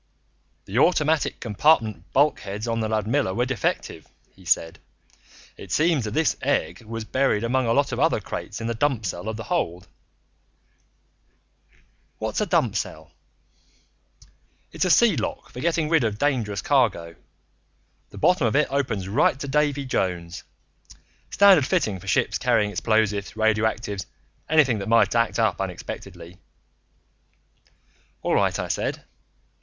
"The automatic compartment bulkheads on the Ludmilla were defective," he said. "It seems that this egg was buried among a lot of other crates in the dump cell of the hold " "What's a dump cell?" "It's a sea lock for getting rid of dangerous cargo. The bottom of it opens right to Davy Jones. Standard fitting for ships carrying explosives, radioactives, anything that might act up unexpectedly." "All right," I said.